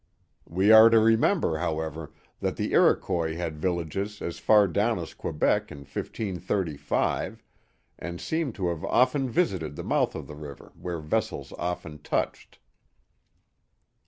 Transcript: We are to remember, however, that the Iroquois had 12 The Mohawk Valley villages as far down as Quebec in 1535, and seem to have often visited the mouth of the river where vessels often touched."